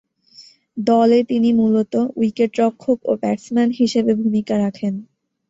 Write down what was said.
দলে তিনি মূলতঃ উইকেট-রক্ষক ও ব্যাটসম্যান হিসেবে ভূমিকা রাখেন।